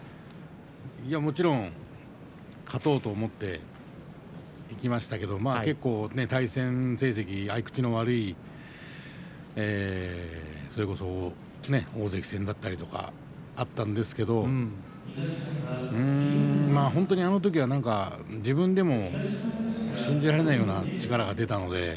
いや、もちろん勝とうと思っていきましたけど結構、対戦成績、合い口の悪いそれこそ大関戦だったりとかあったんですけど本当に、あのときは自分でも信じられないような力が出たので。